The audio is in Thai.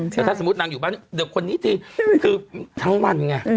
เดี๋ยวถ้าสมมุตินางอยู่บ้านเดี๋ยวคนนี้ทีคือทั้งวันไง